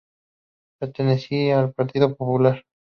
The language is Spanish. Pertenecía al Partido Popular.